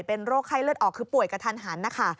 เป็นโรคไข้เลือดออกคือป่วยกระทันหันนะคะ